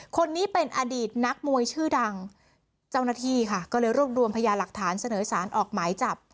คนนี้เป็นอดีตนักมวยชื่อดังเจ้าหน้าที่ค่ะก็เลยรวบรวมพยาหลักฐานเสนอสารออกหมายจับ